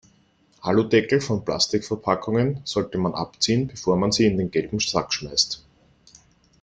Aludeckel von Plastikverpackungen sollte man abziehen, bevor man sie in den gelben Sack schmeißt.